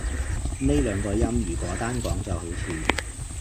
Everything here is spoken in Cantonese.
呢兩個音如果單講就好似